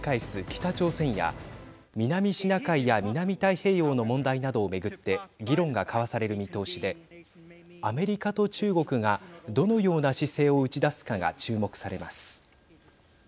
北朝鮮や南シナ海や南太平洋の問題などを巡って議論が交わされる見通しでアメリカと中国がどのような姿勢を打ち出すかが注目されます。